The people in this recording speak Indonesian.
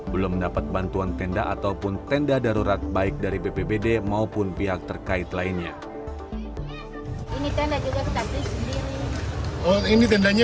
belum mendapat bantuan tenda ataupun tenda darurat baik dari bpbd maupun pihak terkait lainnya